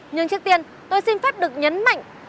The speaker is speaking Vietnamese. nhưng trước tiên tôi xin phép được nhấn mạnh